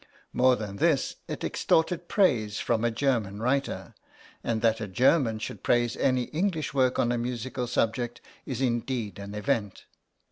* More than this, it extorted praise from a German writer, and that a German should praise any English work on a musical subject is indeed an event.